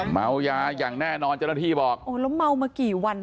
เมายาอย่างแน่นอนเจ้าหน้าที่บอกโอ้แล้วเมามากี่วัน